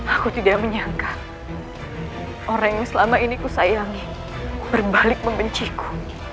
aku tidak menyangka orang yang selama ini ku sayangi berbalik membenciku